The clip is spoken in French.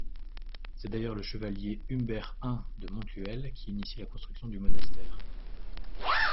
C'est d'ailleurs le chevalier Humbert I de Montluel qui initie la construction du monastère.